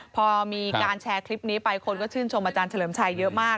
พอมีการแชร์คลิปนี้ไปคนก็ชื่นชมอาจารย์เฉลิมชัยเยอะมาก